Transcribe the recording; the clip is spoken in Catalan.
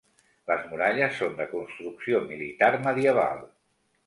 Les muralles són de construcció militar medieval.